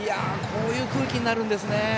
こういう空気になるんですね。